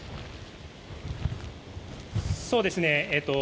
そうですね。